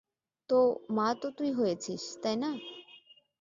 তো, মা তো তুই হয়েছিস, তাই না?